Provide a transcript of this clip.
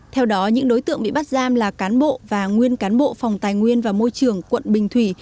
theo đó những đối tượng bị bắt giam là cán bộ và nguyên cán bộ phòng tài nguyên và môi trường quận bình thủy